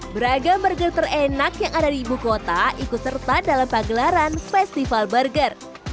beragam burger terenak yang ada di ibu kota ikut serta dalam pagelaran festival burger